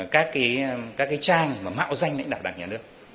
các cái trang mà mạo danh lãnh đạo đảng nhà nước